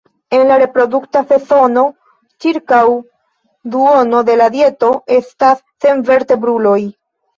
En la reprodukta sezono, ĉirkaŭ duono de la dieto estas senvertebruloj.